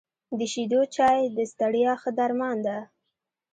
د شيدو چای د ستړیا ښه درمان ده .